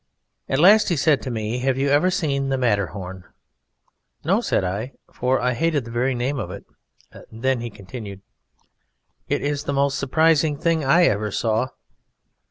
At last he said to me: "Have you ever seen the Matterhorn?" "No," said I; for I hated the very name of it. Then he continued: "It is the most surprising thing I ever saw."